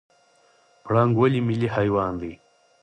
پړانګ ولې ملي حیوان دی؟